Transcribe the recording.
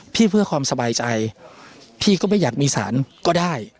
เพื่อความสบายใจพี่ก็ไม่อยากมีสารก็ได้